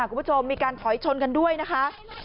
คุณผู้ชมมีการถอยชนกันด้วยนะคะ